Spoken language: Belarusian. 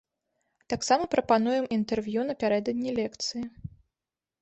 Таксама прапануем інтэрв'ю напярэдадні лекцыі.